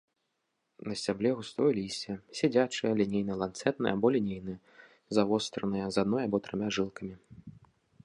На сцябле густое лісце, сядзячае, лінейна-ланцэтнае або лінейнае, завостранае, з адной або трыма жылкамі.